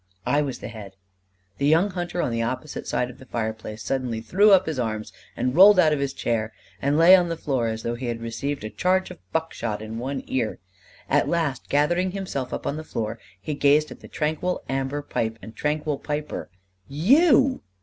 "I was the head." The young hunter on the opposite side of the fireplace suddenly threw up his arms and rolled out of his chair and lay on the floor as though he had received a charge of buckshot in one ear. At last, gathering himself up on the floor, he gazed at the tranquil amber pipe and tranquil piper: "_You!